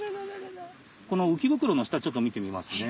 このうきぶくろの下ちょっと見てみますね。